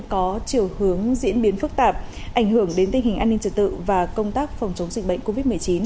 có chiều hướng diễn biến phức tạp ảnh hưởng đến tình hình an ninh trật tự và công tác phòng chống dịch bệnh covid một mươi chín